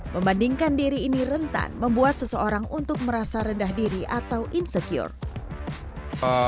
membandingkan diri ini rentan membuat seseorang untuk merasa rendah diri atau insecure